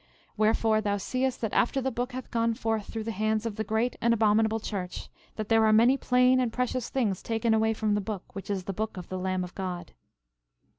13:28 Wherefore, thou seest that after the book hath gone forth through the hands of the great and abominable church, that there are many plain and precious things taken away from the book, which is the book of the Lamb of God.